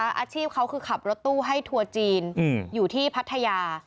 อาชีพเขาคือขับรถตู้ให้ทัวร์จีนอยู่ที่พัทยา